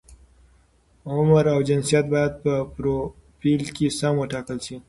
عمر او جنسیت باید په فروفیل کې سم وټاکل شي.